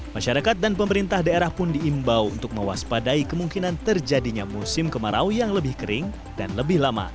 masyarakat dan pemerintah daerah pun diimbau untuk mewaspadai kemungkinan terjadinya musim kemarau yang lebih kering dan lebih lama